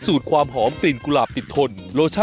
เธอได้บุญแล้วล่ะ